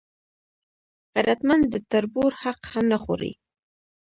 غیرتمند د تربور حق هم نه خوړوي